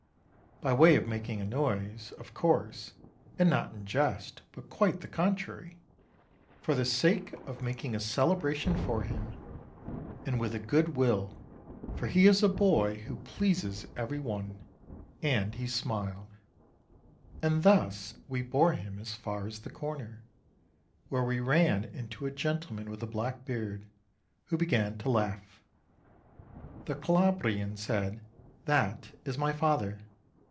by way of making a noise, of course ; and not in jest, but quite the contrary, for the sake of making a celebration for him, and with a good will, for he is a boy who pleases every one; and he smiled. And thus we bore him as far as the corner, where we ran into a gentleman with a black beard, who began to laugh. The Calabrian said, "That is my father."